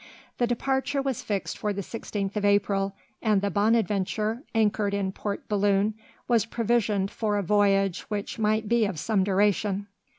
The departure was fixed for the 16th of April, and the Bonadventure, anchored in Port Balloon, was provisioned for a voyage which might be of some duration.